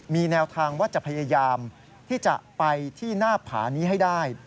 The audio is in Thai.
มีแนวทางว่าจะพยายามที่จะไปที่หน้าผานี้ให้ได้